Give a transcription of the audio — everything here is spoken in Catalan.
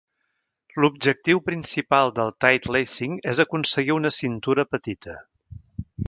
L'objectiu principal del tightlacing és aconseguir una cintura petita.